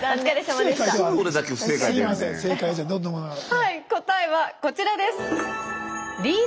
はい答えはこちらです。